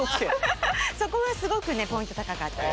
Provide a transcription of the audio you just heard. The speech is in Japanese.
そこはすごくねポイント高かったです。